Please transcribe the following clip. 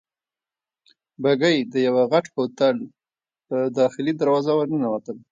بګۍ د یوه غټ هوټل په داخلي دروازه ورننوتل.